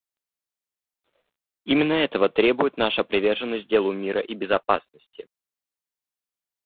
Именно этого требует наша приверженность делу мира и безопасности.